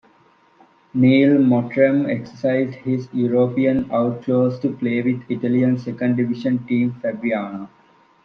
Neil Mottram exercised his European out clause to play with Italian second-division team Fabriano.